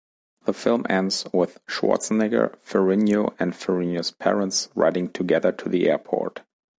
The film ends with Schwarzenegger, Ferrigno, and Ferrigno's parents riding together to the airport.